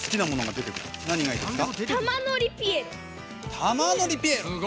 たまのりピエロ。